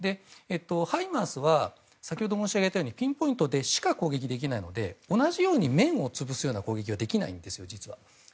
ハイマースは先ほど申し上げたようにピンポイントでしか攻撃できないので同じように面を潰すような攻撃はできないんですよ、実は。